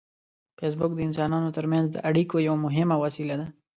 فېسبوک د انسانانو ترمنځ د اړیکو یو مهم وسیله ده